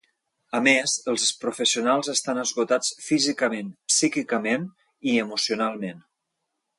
A més, els professionals estan esgotats físicament, psíquicament i emocionalment.